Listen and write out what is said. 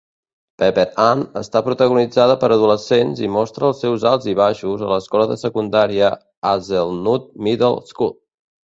"Pepper Ann" està protagonitzada per adolescents i mostra els seus alts i baixos a l'escola de secundària Hazelnut Middle School.